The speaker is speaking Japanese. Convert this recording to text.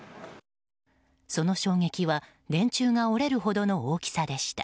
その衝撃は、電柱が折れるほどの大きさでした。